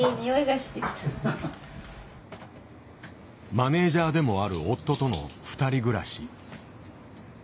マネージャーでもある夫との２人暮らし。